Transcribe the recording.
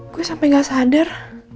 gue sampe gak sadar